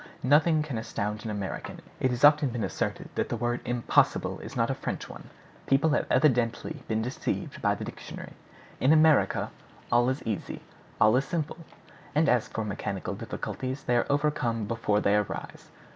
Nothing can astound an American. It has often been asserted that the word "impossible" is not a French one. People have evidently been deceived by the dictionary. In America, all is easy, all is simple; and as for mechanical difficulties, they are overcome before they arise.